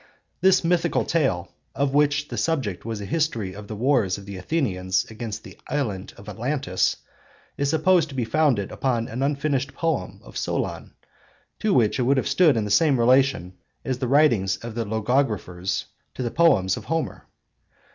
This mythical tale, of which the subject was a history of the wars of the Athenians against the Island of Atlantis, is supposed to be founded upon an unfinished poem of Solon, to which it would have stood in the same relation as the writings of the logographers to the poems of Homer.